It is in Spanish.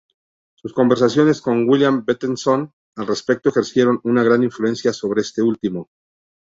Sus conversaciones con William Bateson al respecto ejercieron una gran influencia sobre este último.